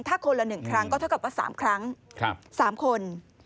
ถ้าคนละ๑ครั้งก็เท่ากับว่า๓ครั้ง๓คน